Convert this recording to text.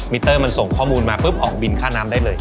เตอร์มันส่งข้อมูลมาปุ๊บออกบินค่าน้ำได้เลย